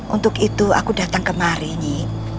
untuk itu aku datang kemari nih